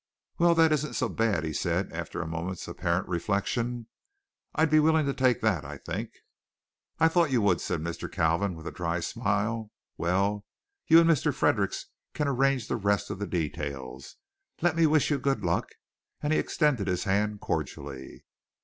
"Well, that isn't so bad," he said, after a moment's apparent reflection. "I'd be willing to take that, I think." "I thought you would," said Mr. Kalvin, with a dry smile. "Well, you and Mr. Fredericks can arrange the rest of the details. Let me wish you good luck," and he extended his hand cordially.